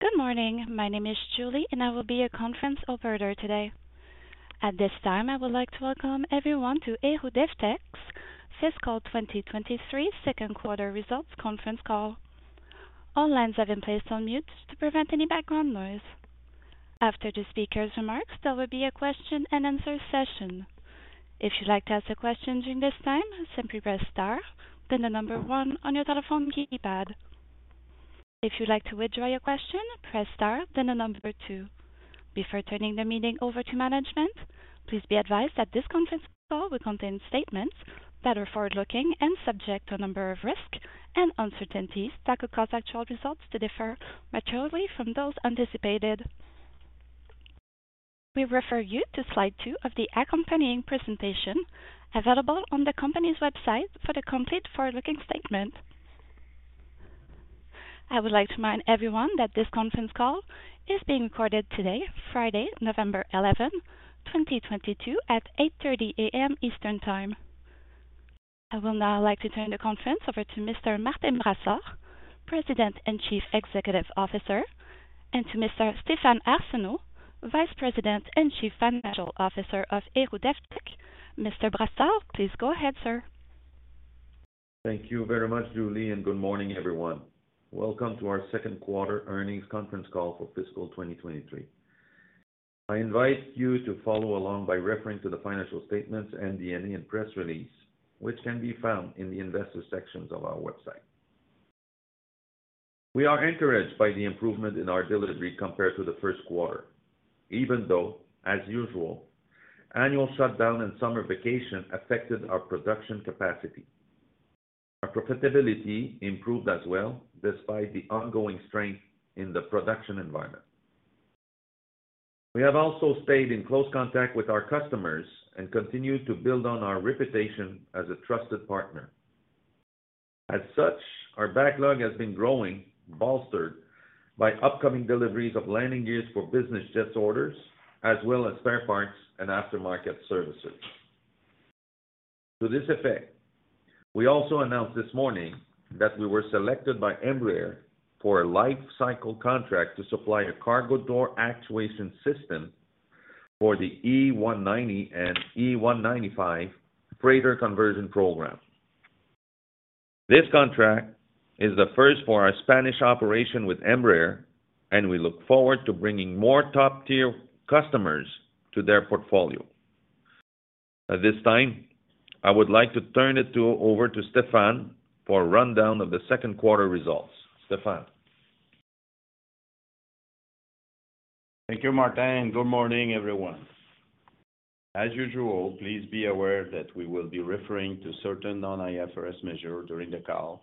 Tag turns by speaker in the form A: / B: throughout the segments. A: Good morning. My name is Julie, and I will be your conference operator today. At this time, I would like to welcome everyone to Héroux-Devtek's Fiscal 2023 Second Quarter Results Conference Call. All lines have been placed on mute to prevent any background noise. After the speaker's remarks, there will be a Q&A session. If you'd like to ask a question during this time, simply press star then the number one on your telephone keypad. If you'd like to withdraw your question, press star then the number two. Before turning the meeting over to management, please be advised that this conference call will contain statements that are forward-looking and subject to a number of risks and uncertainties that could cause actual results to differ materially from those anticipated. We refer you to slide two of the accompanying presentation available on the company's website for the complete forward-looking statement. I would like to remind everyone that this conference call is being recorded today, Friday, November 11, 2022 at 8:30 A.M. Eastern time. I will now like to turn the conference over to Mr. Martin Brassard, President and Chief Executive Officer, and to Mr. Stéphane Arsenault, Vice President and Chief Financial Officer of Héroux-Devtek. Mr. Brassard, please go ahead, sir.
B: Thank you very much, Julie, and good morning, everyone. Welcome to our second quarter earnings conference call for fiscal 2023. I invite you to follow along by referring to the financial statements and the earnings press release, which can be found in the investor section of our website. We are encouraged by the improvement in our delivery compared to the first quarter, even though, as usual, annual shutdown and summer vacation affected our production capacity. Our profitability improved as well, despite the ongoing strength in the production environment. We have also stayed in close contact with our customers and continued to build on our reputation as a trusted partner. As such, our backlog has been growing, bolstered by upcoming deliveries of landing gear for business jet orders, as well as spare parts and aftermarket services. To this effect, we also announced this morning that we were selected by Embraer for a life cycle contract to supply a cargo door actuation system for the E190 and E195 freighter conversion program. This contract is the first for our Spanish operation with Embraer, and we look forward to bringing more top-tier customers to their portfolio. At this time, I would like to turn it over to Stéphane for a rundown of the second quarter results. Stéphane?
C: Thank you, Martin, and good morning, everyone. As usual, please be aware that we will be referring to certain non-IFRS measures during the call,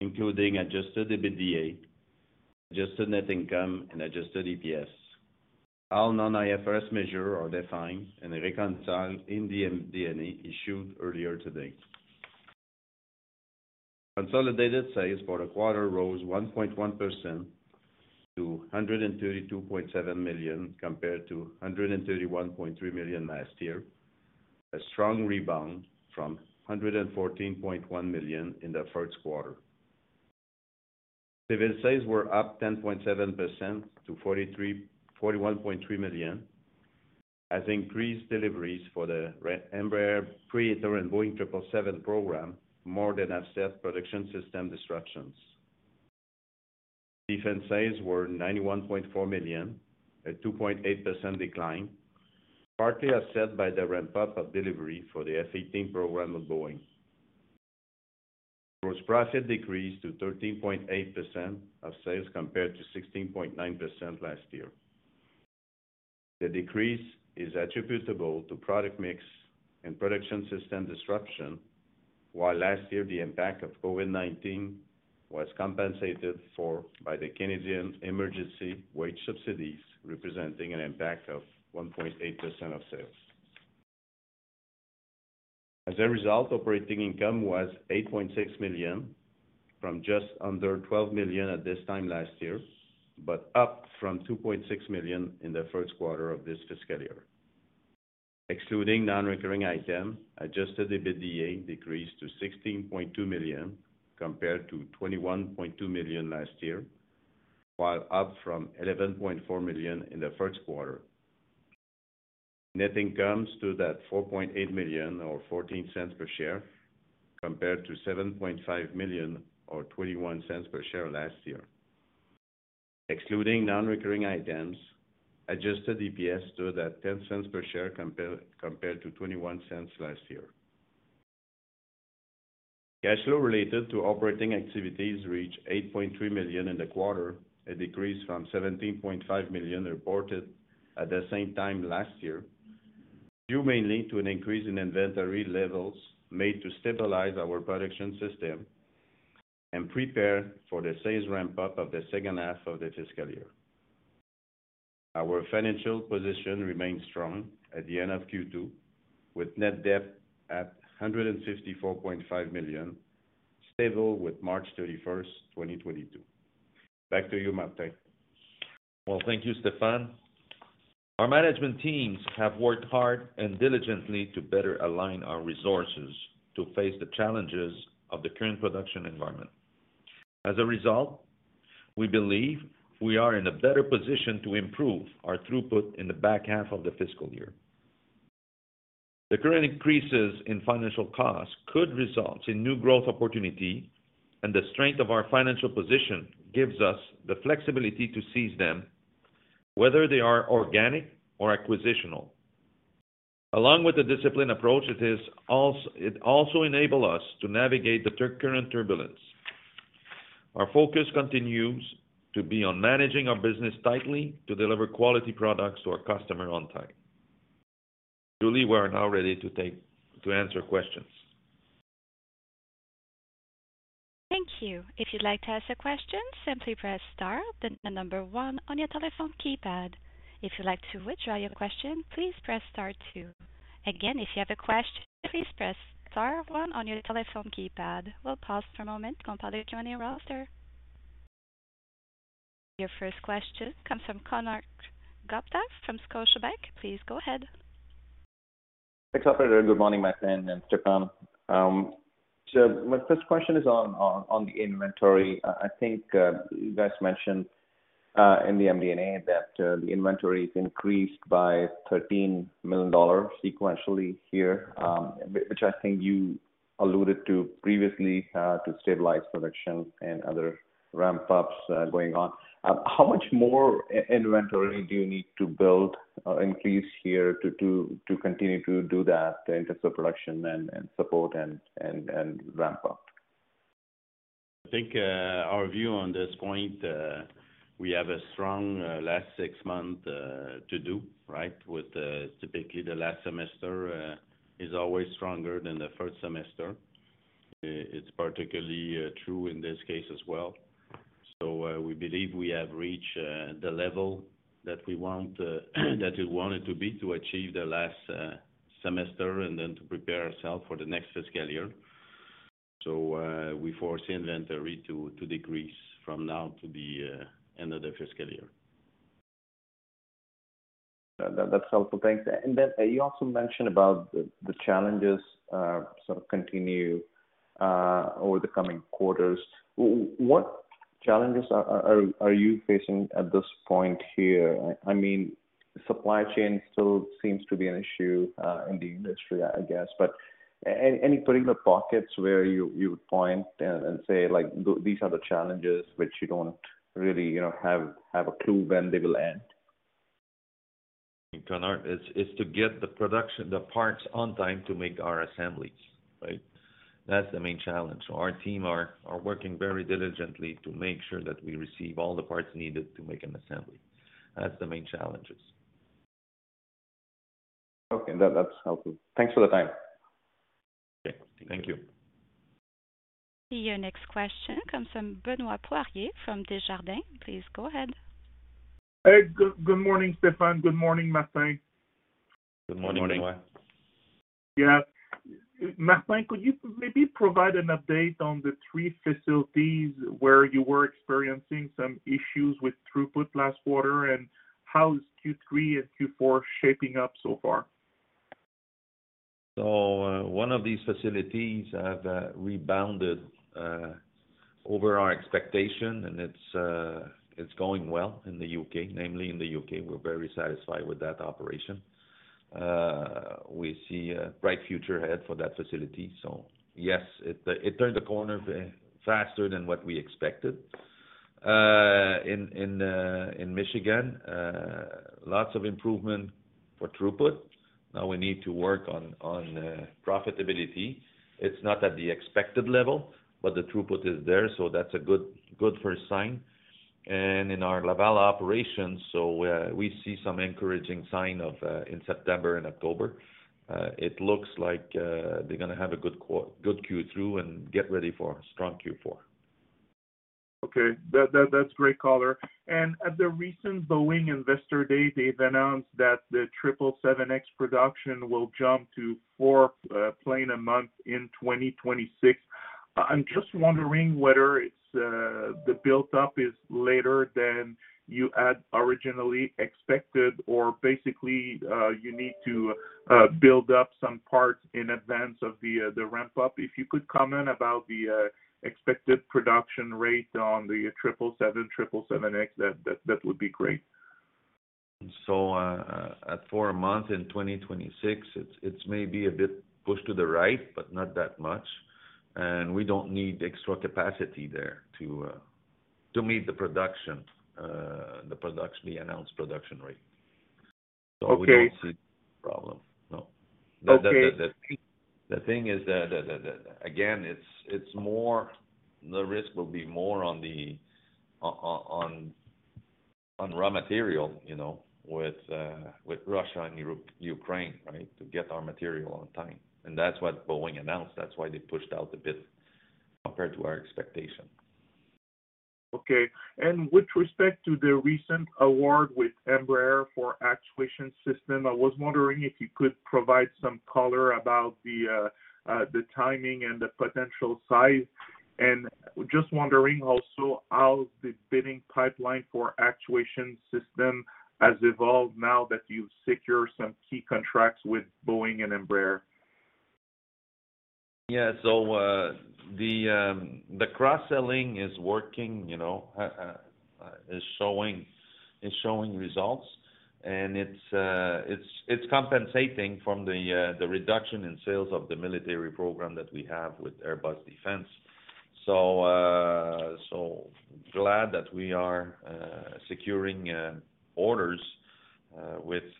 C: including adjusted EBITDA, adjusted net income and adjusted EPS. All non-IFRS measures are defined and reconciled in the MD&A issued earlier today. Consolidated sales for the quarter rose 1.1% to 132.7 million compared to 131.3 million last year, a strong rebound from 114.1 million in the first quarter. Civil sales were up 10.7% to 41.3 million as increased deliveries for the Embraer Praetor and Boeing 777 program more than offset production system disruptions. Defense sales were 91.4 million, a 2.8% decline, partly offset by the ramp-up of delivery for the F18 program with Boeing. Gross profit decreased to 13.8% of sales compared to 16.9% last year. The decrease is attributable to product mix and production system disruption, while last year the impact of COVID-19 was compensated for by the Canada Emergency Wage Subsidy, representing an impact of 1.8% of sales. As a result, operating income was 8.6 million from just under 12 million at this time last year, but up from 2.6 million in the first quarter of this fiscal year. Excluding non-recurring items, adjusted EBITDA decreased to 16.2 million compared to 21.2 million last year, while up from 11.4 million in the first quarter. Net income stood at 4.8 million or 0.14 per share compared to 7.5 million or 0.21 per share last year. Excluding non-recurring items, adjusted EPS stood at 0.10 per share compared to 0.21 last year. Cash flow related to operating activities reached 8.3 million in the quarter, a decrease from 17.5 million reported at the same time last year, due mainly to an increase in inventory levels made to stabilize our production system and prepare for the sales ramp-up of the second half of the fiscal year. Our financial position remains strong at the end of Q2, with net debt at 154.5 million, stable with March 31, 2022. Back to you, Martin.
B: Well, thank you, Stéphane. Our management teams have worked hard and diligently to better align our resources to face the challenges of the current production environment. As a result, we believe we are in a better position to improve our throughput in the back half of the fiscal year. The current increases in financial costs could result in new growth opportunity, and the strength of our financial position gives us the flexibility to seize them, whether they are organic or acquisitional. Along with the discipline approach, it also enable us to navigate the current turbulence. Our focus continues to be on managing our business tightly to deliver quality products to our customer on time. Julie, we are now ready to answer questions.
A: Thank you. If you'd like to ask a question, simply press star then the number one on your telephone keypad. If you'd like to withdraw your question, please press star two. Again, if you have a question, please press star one on your telephone keypad. We'll pause for a moment. Your first question comes from Konark Gupta from Scotiabank. Please go ahead.
D: Thanks, operator. Good morning, Martin and Stéphane. My first question is on the inventory. I think you guys mentioned in the MD&A that the inventory increased by 13 million dollars sequentially here, which I think you alluded to previously to stabilize production and other ramp-ups going on. How much more inventory do you need to build, increase here to continue to do that in terms of production and support and ramp-up?
B: I think, our view on this point, we have a strong, last six month, to do, right? With, typically the last semester, is always stronger than the first semester. It's particularly true in this case as well. We believe we have reached, the level that we want it to be to achieve the last, semester and then to prepare ourselves for the next fiscal year. We force inventory to decrease from now to the, end of the fiscal year.
D: That's helpful. Thanks. Then you also mentioned about the challenges sort of continue over the coming quarters. What challenges are you facing at this point here? I mean, supply chain still seems to be an issue in the industry, I guess. Any particular pockets where you would point and say, like, "These are the challenges which you don't really, you know, have a clue when they will end.
B: Konark, it's to get the production, the parts on time to make our assemblies, right? That's the main challenge. Our team are working very diligently to make sure that we receive all the parts needed to make an assembly. That's the main challenges.
D: Okay. That, that's helpful. Thanks for the time.
B: Okay. Thank you.
A: Your next question comes from Benoit Poirier from Desjardins. Please go ahead.
E: Hey, good morning, Stéphane. Good morning, Martin.
B: Good morning, Benoit.
E: Yeah. Martin, could you maybe provide an update on the three facilities where you were experiencing some issues with throughput last quarter, and how is Q3 and Q4 shaping up so far?
B: One of these facilities have rebounded over our expectation, and it's going well in the U.K., namely in the U.K. We're very satisfied with that operation. We see a bright future ahead for that facility. Yes, it turned the corner faster than what we expected. In Michigan, lots of improvement for throughput. Now we need to work on profitability. It's not at the expected level, but the throughput is there, so that's a good first sign. In our Laval operations, we see some encouraging sign in September and October. It looks like they're gonna have a good Q2 and get ready for a strong Q4.
E: Okay. That's great color. At the recent Boeing Investor Day, they've announced that the 777X production will jump to four planes a month in 2026. I'm just wondering whether the build-up is later than you had originally expected, or basically, you need to build up some parts in advance of the ramp-up. If you could comment about the expected production rate on the 777, 777X, that would be great.
B: At four a month in 2026, it's maybe a bit pushed to the right, but not that much. We don't need extra capacity there to meet the production, the announced production rate.
E: Okay.
B: We don't see problem. No.
E: Okay.
B: The thing is that again it's more the risk will be more on the raw material, you know, with Russia and Europe, Ukraine, right? To get our material on time. That's what Boeing announced. That's why they pushed out a bit compared to our expectation.
E: Okay. With respect to the recent award with Embraer for actuation system, I was wondering if you could provide some color about the timing and the potential size. Just wondering also how the bidding pipeline for actuation system has evolved now that you've secured some key contracts with Boeing and Embraer.
B: Yeah, the cross-selling is working, you know, is showing results. It's compensating for the reduction in sales of the military program that we have with Airbus Defence. Glad that we are securing orders with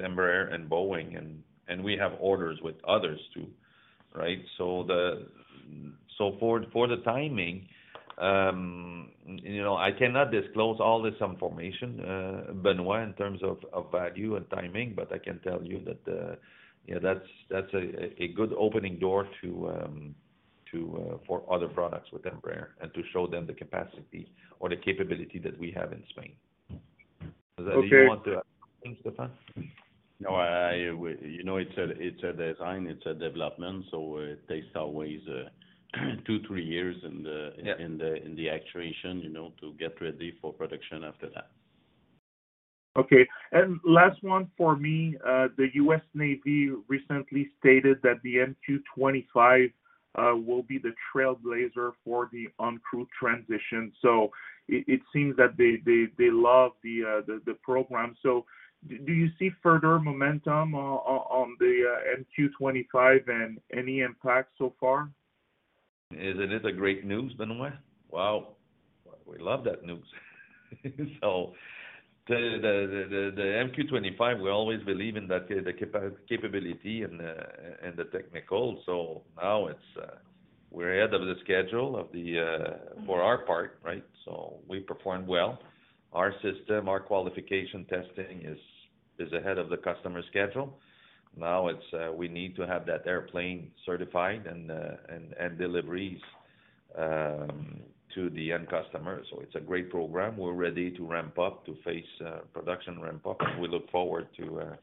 B: Embraer and Boeing and we have orders with others too, right? For the timing, you know, I cannot disclose all this information, Benoit, in terms of value and timing, but I can tell you that, you know, that's a good opening door to for other products with Embraer and to show them the capacity or the capability that we have in Spain.
E: Okay.
B: Do you want to add something, Stéphane?
C: No, I. You know, it's a design, it's a development, so it takes always two, three years in the actuation, you know, to get ready for production after that.
E: Okay. Last one for me. The U.S. Navy recently stated that the MQ-25 will be the trailblazer for the uncrewed transition. It seems that they love the program. Do you see further momentum on the MQ-25 and any impact so far?
B: It's great news, Benoit. Wow. We love that news. The MQ-25, we always believe in that capability and the technical. Now it's we're ahead of the schedule for our part, right? We performed well. Our system, our qualification testing is ahead of the customer schedule. Now it's we need to have that airplane certified and deliveries to the end customer. It's a great program. We're ready to ramp up to face production ramp up, and we look forward to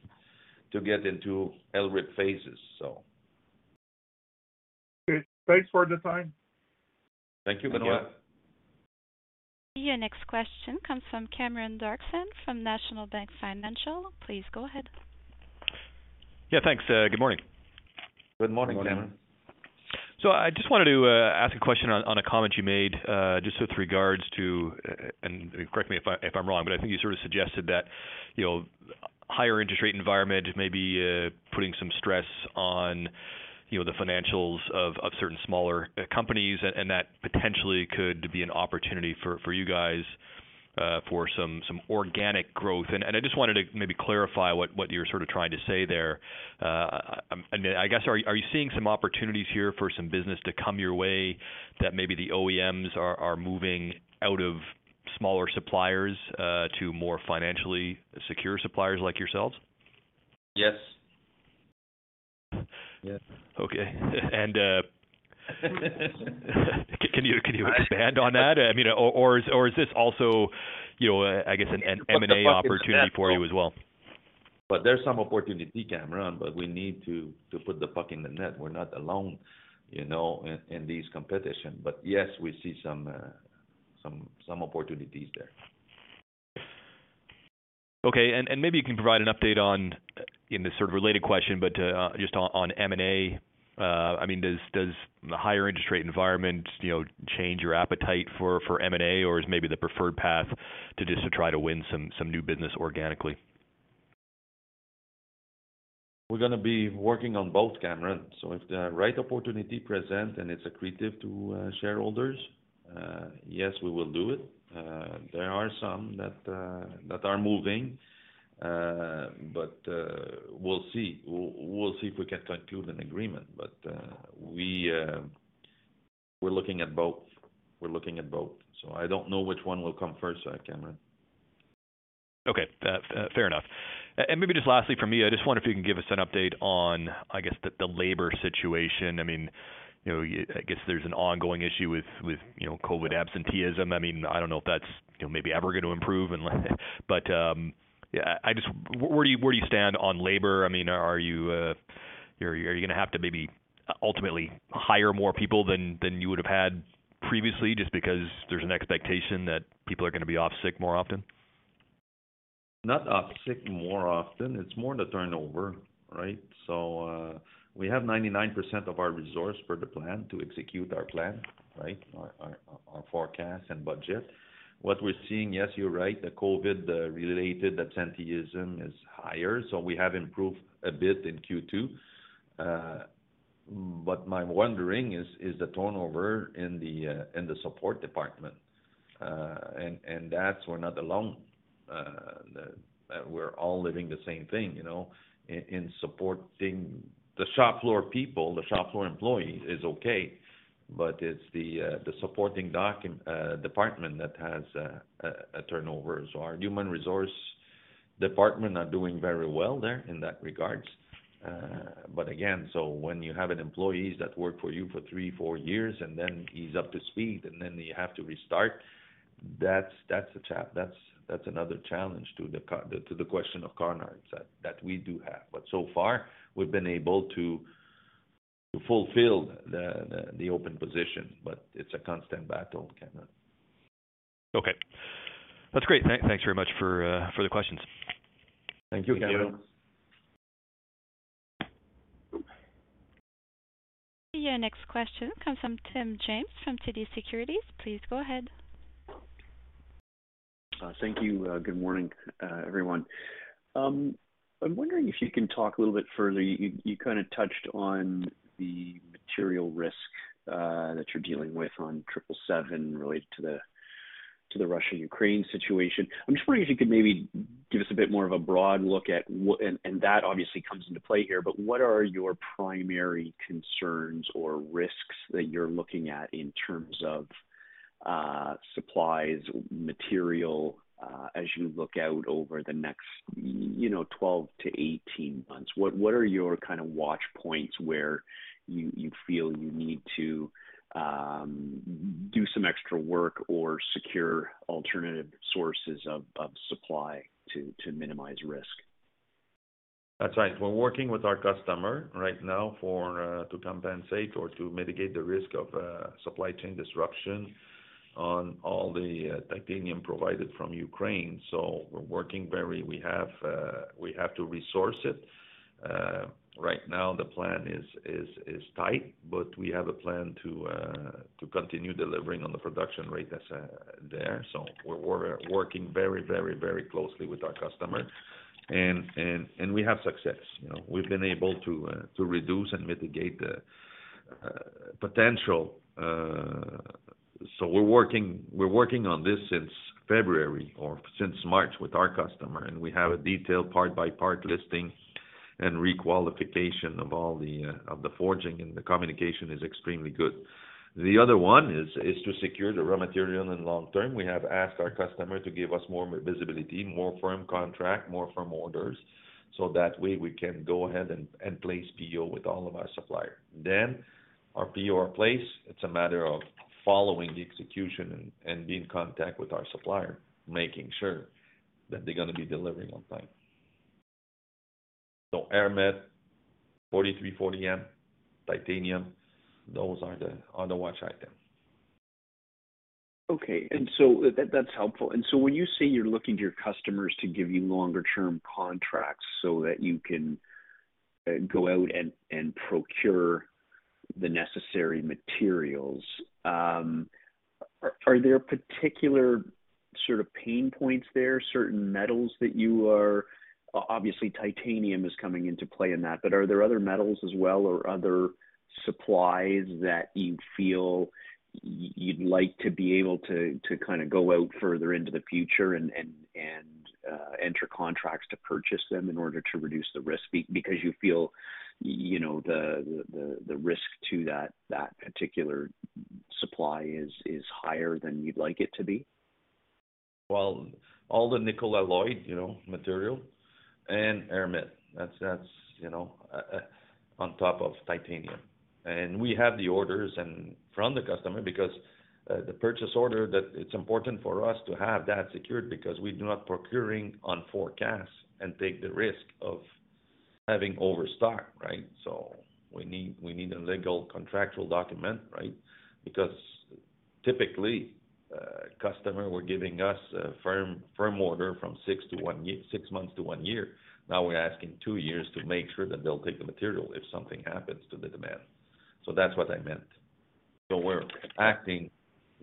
B: get into LRIP phases.
E: Okay. Thanks for the time.
B: Thank you, Benoit.
C: Thank you.
A: Your next question comes from Cameron Doerksen from National Bank Financial. Please go ahead.
F: Yeah, thanks. Good morning.
B: Good morning, Cameron.
C: Good morning.
F: I just wanted to ask a question on a comment you made just with regards to and correct me if I'm wrong, but I think you sort of suggested that, you know, higher interest rate environment may be putting some stress on, you know, the financials of certain smaller companies and that potentially could be an opportunity for you guys for some organic growth. I just wanted to maybe clarify what you're sort of trying to say there. I guess, are you seeing some opportunities here for some business to come your way that maybe the OEMs are moving out of smaller suppliers to more financially secure suppliers like yourselves?
B: Yes.
F: Okay. Can you expand on that? I mean, or is this also, you know, I guess an M&A opportunity for you as well?
B: There's some opportunity, Cameron, but we need to put the puck in the net. We're not alone, you know, in this competition. Yes, we see some opportunities there.
F: Maybe you can provide an update in this sort of related question, but just on M&A. I mean, does the higher interest rate environment, you know, change your appetite for M&A, or is maybe the preferred path to just try to win some new business organically?
B: We're gonna be working on both, Cameron. If the right opportunity present and it's accretive to shareholders, yes, we will do it. There are some that are moving, but we'll see if we can conclude an agreement. We're looking at both. I don't know which one will come first, Cameron.
F: Okay. Fair enough. Maybe just lastly from me, I just wonder if you can give us an update on, I guess, the labor situation. I mean, you know, I guess there's an ongoing issue with you know, COVID absenteeism. I mean, I don't know if that's, you know, maybe ever gonna improve. Yeah, where do you stand on labor? I mean, are you gonna have to maybe ultimately hire more people than you would have had previously just because there's an expectation that people are gonna be off sick more often?
B: Not off sick more often. It's more the turnover, right? We have 99% of our resource for the plan to execute our plan, right? Our forecast and budget. What we're seeing, yes, you're right, the COVID-related absenteeism is higher, so we have improved a bit in Q2. My wondering is the turnover in the support department. That we're not alone. We're all living the same thing, you know. In supporting the shop floor people, the shop floor employee is okay, but it's the supporting department that has a turnover. Our human resource department are doing very well there in that regard. When you have an employee that works for you for three, four years, and then he's up to speed, and then you have to restart. That's another challenge to the question of Konark's that we do have. So far, we've been able to fulfill the open position, but it's a constant battle, Cameron.
F: Okay. That's great. Thanks very much for the questions.
B: Thank you, Cameron.
A: Your next question comes from Tim James from TD Securities. Please go ahead.
G: Thank you. Good morning, everyone. I'm wondering if you can talk a little bit further. You kinda touched on the material risk that you're dealing with on 777 related to the Russia-Ukraine situation. I'm just wondering if you could maybe give us a bit more of a broad look at what that obviously comes into play here, but what are your primary concerns or risks that you're looking at in terms of supplies, material, as you look out over the next 12-18 months? What are your kinda watch points where you feel you need to do some extra work or secure alternative sources of supply to minimize risk?
B: That's right. We're working with our customer right now for to compensate or to mitigate the risk of supply chain disruption on all the titanium provided from Ukraine. We have to resource it. Right now the plan is tight, but we have a plan to continue delivering on the production rate that's there. We're working very closely with our customer. We have success. You know, we've been able to reduce and mitigate the potential. We're working on this since February or since March with our customer, and we have a detailed part-by-part listing and re-qualification of all the forging, and the communication is extremely good. The other one is to secure the raw material in long term. We have asked our customer to give us more visibility, more firm contract, more firm orders, so that way we can go ahead and place PO with all of our supplier. Our PO are placed, it is a matter of following the execution and be in contact with our supplier, making sure that they are gonna be delivering on time. AerMet, 4340M, titanium, those are the watch item.
G: Okay. That's helpful. When you say you're looking to your customers to give you longer term contracts so that you can go out and procure the necessary materials, are there particular sort of pain points there, certain metals that you are obviously titanium is coming into play in that, but are there other metals as well or other supplies that you feel you'd like to be able to kinda go out further into the future and enter contracts to purchase them in order to reduce the risk because you feel, you know, the risk to that particular supply is higher than you'd like it to be?
B: Well, all the nickel alloy, you know, material and AerMet, that's, you know, on top of titanium. We have the orders and from the customer because the purchase order that it's important for us to have that secured because we do not procuring on forecasts and take the risk of having overstock, right? We need a legal contractual document, right? Because typically, customer were giving us a firm order from six months to one year. Now we're asking two years to make sure that they'll take the material if something happens to the demand. That's what I meant. We're acting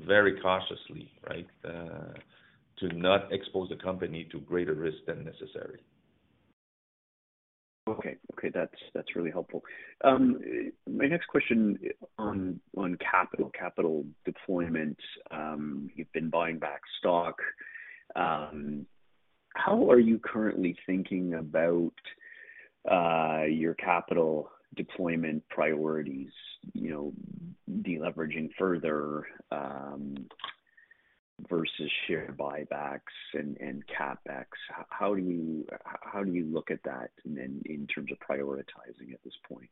B: very cautiously, right, to not expose the company to greater risk than necessary.
G: Okay, that's really helpful. My next question on capital deployment. You've been buying back stock. How are you currently thinking about your capital deployment priorities? You know, de-leveraging further versus share buybacks and CapEx. How do you look at that in terms of prioritizing at this point?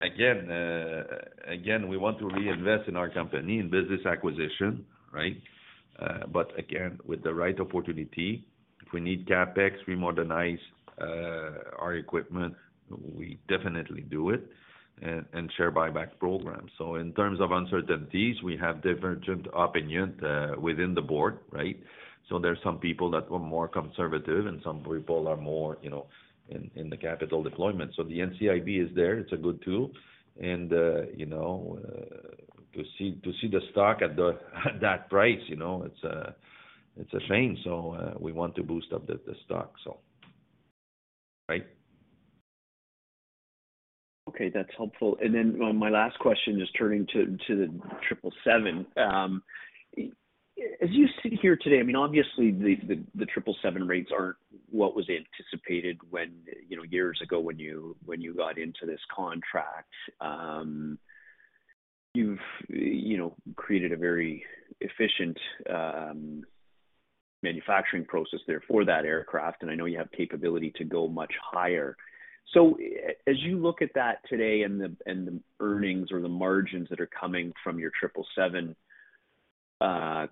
B: Again, we want to reinvest in our company in business acquisition, right? But again, with the right opportunity, if we need CapEx, we modernize our equipment, we definitely do it, and share buyback program. In terms of uncertainties, we have divergent opinion within the board, right? There's some people that were more conservative and some people are more, you know, in the capital deployment. The NCIB is there, it's a good tool. You know, to see the stock at that price, you know, it's a shame. We want to boost up the stock. Right.
G: Okay, that's helpful. My last question is turning to the 777. As you sit here today, I mean, obviously the 777 rates aren't what was anticipated when, you know, years ago when you got into this contract. You've, you know, created a very efficient manufacturing process there for that aircraft, and I know you have capability to go much higher. As you look at that today and the earnings or the margins that are coming from your 777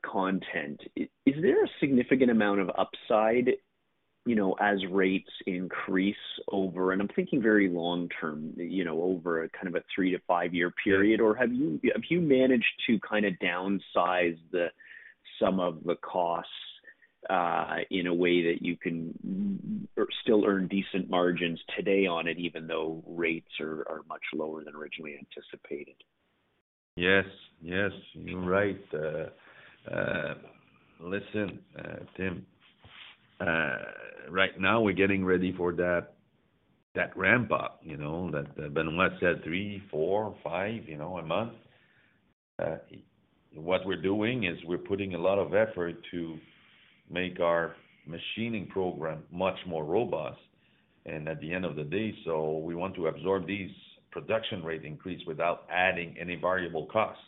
G: content, is there a significant amount of upside, you know, as rates increase over, and I'm thinking very long-term, you know, over a kind of a three to five-year period. Have you managed to kinda downsize some of the costs in a way that you can still earn decent margins today on it, even though rates are much lower than originally anticipated?
B: Yes. You're right. Listen, Tim, right now we're getting ready for that ramp up, you know, that Benoit said, three, four, five, you know, a month. What we're doing is we're putting a lot of effort to make our machining program much more robust. At the end of the day, we want to absorb these production rate increase without adding any variable costs.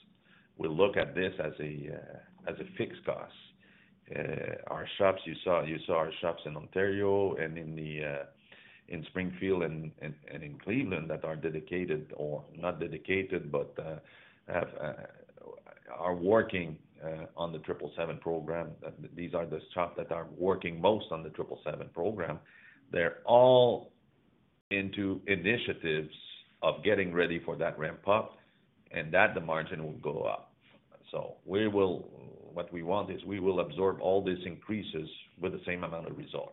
B: We look at this as a fixed cost. Our shops you saw, you saw our shops in Ontario and in Springfield and in Cleveland that are dedicated or not dedicated, but are working on the 777 program. These are the shops that are working most on the 777 program. They're all into initiatives of getting ready for that ramp up and that the margin will go up. What we want is we will absorb all these increases with the same amount of resources,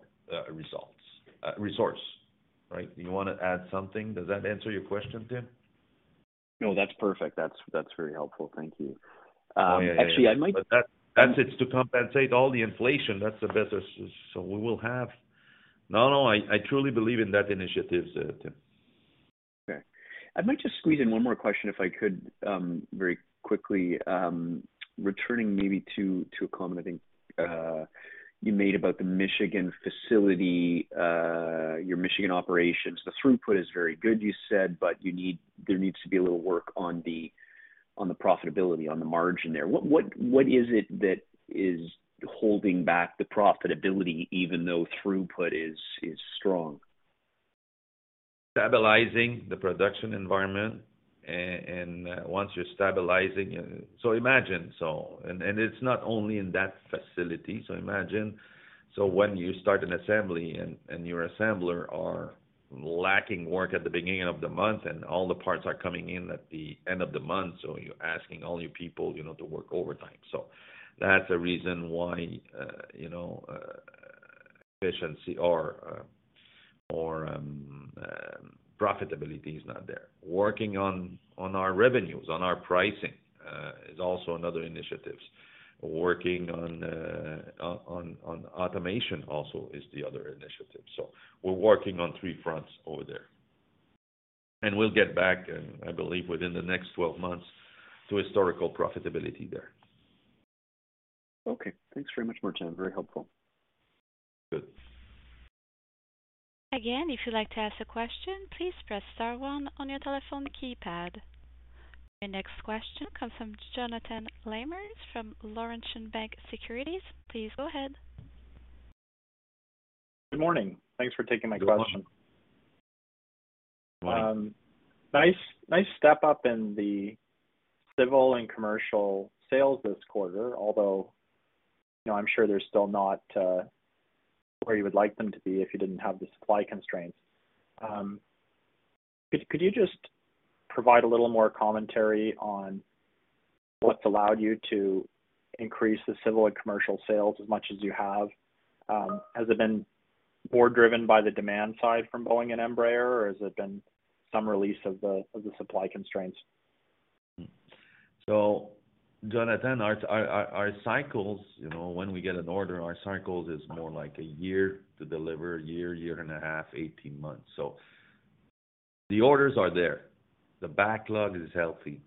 B: right? You wanna add something? Does that answer your question, Tim?
G: No, that's perfect. That's very helpful. Thank you.
B: Oh, yeah.
G: Um, actually I might-
B: That's it to compensate all the inflation. That's the best so we will have. No, I truly believe in those initiatives, Tim.
G: Okay. I might just squeeze in one more question if I could, very quickly. Returning maybe to a comment I think you made about the Michigan facility, your Michigan operations. The throughput is very good, you said, but there needs to be a little work on the profitability, on the margin there. What is it that is holding back the profitability even though throughput is strong?
B: Stabilizing the production environment. Once you're stabilizing. Imagine, when you start an assembly and your assembler are lacking work at the beginning of the month, and all the parts are coming in at the end of the month, you're asking all your people, you know, to work overtime. That's a reason why, you know, efficiency or profitability is not there. Working on our revenues, on our pricing is also another initiatives. Working on automation also is the other initiative. We're working on three fronts over there. We'll get back and I believe, within the next 12 months, to historical profitability there.
G: Okay, thanks very much, Martin. Very helpful.
B: Good.
A: Again, if you'd like to ask a question, please press star one on your telephone keypad. Your next question comes from Jonathan Lamers from Laurentian Bank Securities. Please go ahead.
H: Good morning. Thanks for taking my question.
B: Good morning.
H: Nice step up in the civil and commercial sales this quarter. Although, you know, I'm sure they're still not where you would like them to be if you didn't have the supply constraints. Could you just provide a little more commentary on what's allowed you to increase the civil and commercial sales as much as you have? Has it been more driven by the demand side from Boeing and Embraer, or has it been some release of the supply constraints?
B: Jonathan, our cycles, you know, when we get an order, our cycles is more like a year to deliver. A year and a half, 18 months. The orders are there. The backlog is healthy.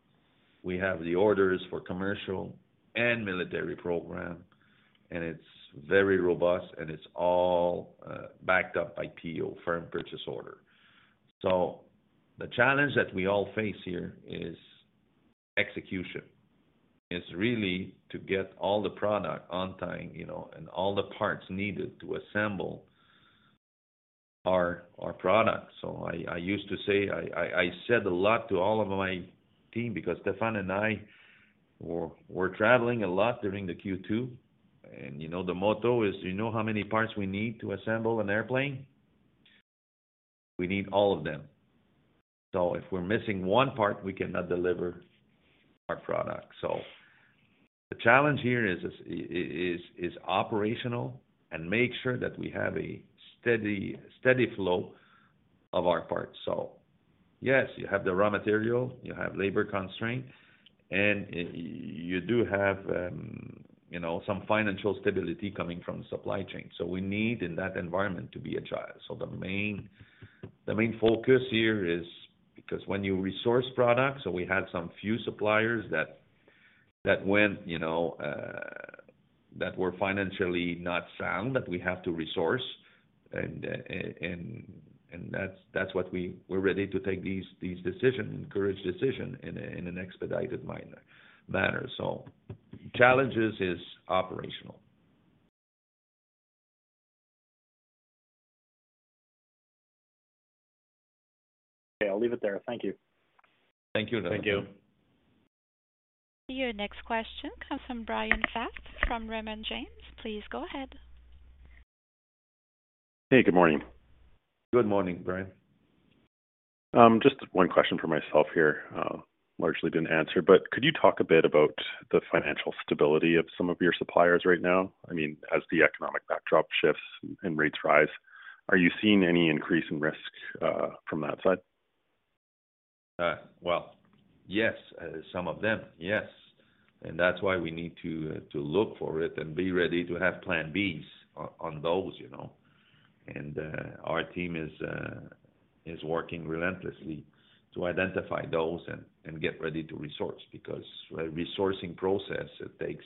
B: We have the orders for commercial and military program, and it's very robust and it's all backed up by PO, firm purchase order. The challenge that we all face here is execution. It's really to get all the product on time, you know, and all the parts needed to assemble our products. I said a lot to all of my team because Stéphane and I were traveling a lot during the Q2. You know, the motto is, you know how many parts we need to assemble an airplane? We need all of them. If we're missing one part, we cannot deliver our product. The challenge here is operational and make sure that we have a steady flow of our parts. Yes, you have the raw material, you have labor constraints, and you do have, you know, some financial instability coming from the supply chain. We need in that environment to be agile. The main focus here is because when you resource products or we had some few suppliers that went, you know, that were financially not sound, that we have to resource. And that's what we're ready to take these urgent decisions in an expedited manner. Challenges is operational.
H: Okay, I'll leave it there. Thank you.
C: Thank you, Nelson. Thank you.
A: Your next question comes from Bryan Fast from Raymond James. Please go ahead.
I: Hey, good morning.
B: Good morning, Bryan.
I: Just one question for myself here, largely been answered, but could you talk a bit about the financial stability of some of your suppliers right now? I mean, as the economic backdrop shifts and rates rise, are you seeing any increase in risk from that side?
B: Well, yes. Some of them, yes. That's why we need to look for it and be ready to have plan B's on those, you know? Our team is working relentlessly to identify those and get ready to resource, because resourcing process, it takes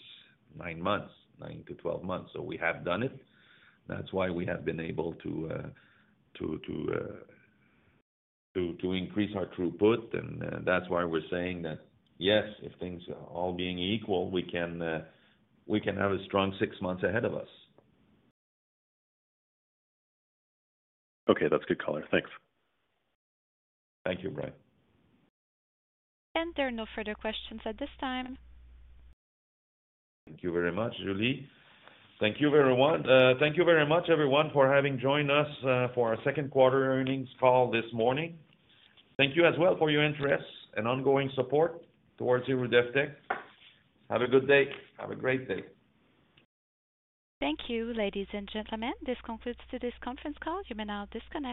B: nine months, nine to 12 months. We have done it. That's why we have been able to increase our throughput, and that's why we're saying that, yes, if things are all being equal, we can have a strong six months ahead of us.
I: Okay. That's good color. Thanks.
B: Thank you, Bryan.
A: There are no further questions at this time.
B: Thank you very much, Julie. Thank you, everyone. Thank you very much, everyone, for having joined us for our second quarter earnings call this morning. Thank you as well for your interest and ongoing support towards Héroux-Devtek. Have a good day. Have a great day.
A: Thank you, ladies and gentlemen. This concludes today's conference call. You may now disconnect.